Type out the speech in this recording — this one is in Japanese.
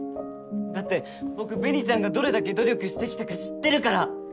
だって僕紅ちゃんがどれだけ努力してきたか知ってるから！